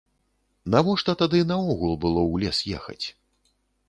Навошта тады наогул было ў лес ехаць?